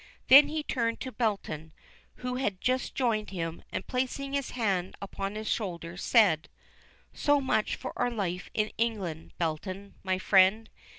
Then he turned to Belton, who had just joined him, and, placing his hand upon his shoulder, said: "So much for our life in England, Belton, my friend.